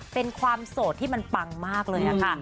เป็นความโสดที่มันปังมากเลยค่ะ